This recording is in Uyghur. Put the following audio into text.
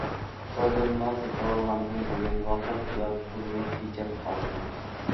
توردىن مال سېتىۋالغاندىن بۇيان ۋاقىت ۋە پۇلنى تېجەپ قالدىم.